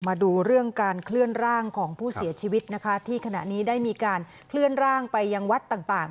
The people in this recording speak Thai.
มาดูเรื่องการเคลื่อนร่างของผู้เสียชีวิตนะคะที่ขณะนี้ได้มีการเคลื่อนร่างไปยังวัดต่าง